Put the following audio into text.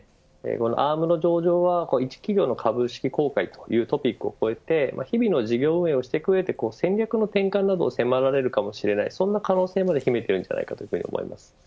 アームの上場は１企業の株式公開というトピックを越えて日々の事業運営をしていく上で戦略の転換などを迫られるかもしれないそんな可能性まで秘めているのではないかと思います。